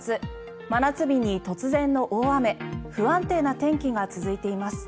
真夏日に突然の大雨不安定な天気が続いています。